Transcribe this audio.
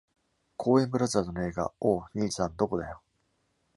コーエン・ブラザーズの映画『おお兄さん、どこだよ?』